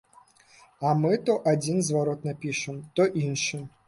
А мы то адзін зварот напішам, то іншы.